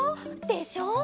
でしょ？